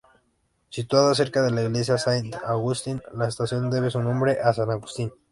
Situada cerca de la Iglesia Saint-Augustin, la estación debe su nombre a San Agustín.